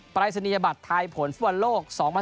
ปลายศนียบัตรไทยผลฝั่งโลก๒๐๑๘